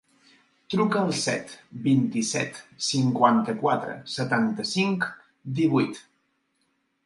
Truca al set, vint-i-set, cinquanta-quatre, setanta-cinc, divuit.